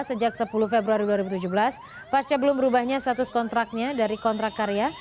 sejak sepuluh februari dua ribu tujuh belas pasca belum berubahnya status kontraknya dari kontrak karya